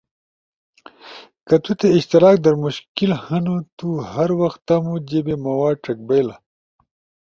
کہ تو تے اشتراک در مشکل ہنو، تو ہر وخ تمو جیبے مواد ڇک بئیلا۔